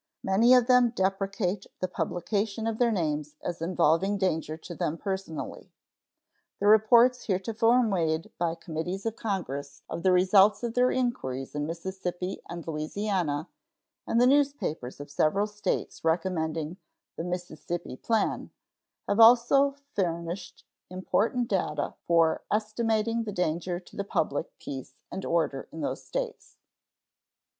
Many of them deprecate the publication of their names as involving danger to them personally. The reports heretofore made by committees of Congress of the results of their inquiries in Mississippi and Louisiana, and the newspapers of several States recommending "the Mississippi plan," have also furnished important data for estimating the danger to the public peace and order in those States.